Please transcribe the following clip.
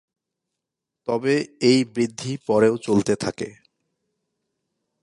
তবে এই বৃদ্ধি পরেও চলতে থাকে।